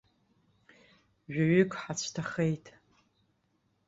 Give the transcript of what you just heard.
Жәаҩык ҳацәҭахеит.